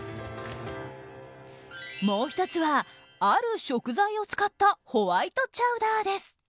もう１つは、ある食材を使ったホワイトチャウダーです。